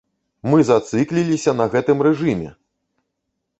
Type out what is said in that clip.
Мы зацыкліліся на гэтым рэжыме!